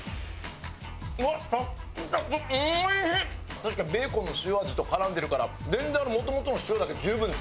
確かにベーコンの塩味と絡んでるから全然もともとの塩だけで十分です。